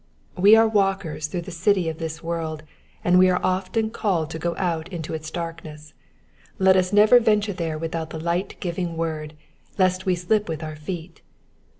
^^ We are walkers through the city of this world, and we are often called to go out into its darkness ; let us never venture there without the light giving word, lest we slip with our feet.